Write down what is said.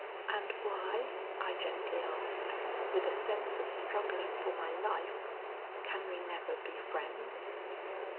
"And why," I gently asked, with a sense of struggling for my life, "can we never be friends?"